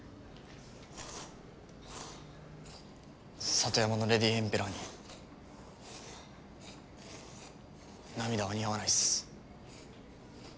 里山のレディーエンペラーに涙は似合わないっす。